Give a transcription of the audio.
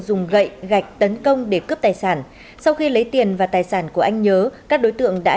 dùng gậy gạch tấn công để cướp tài sản sau khi lấy tiền và tài sản của anh nhớ các đối tượng đã